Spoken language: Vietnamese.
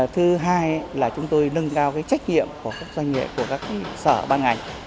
thứ hai là chúng tôi nâng cao trách nhiệm của các doanh nghiệp của các sở băng ảnh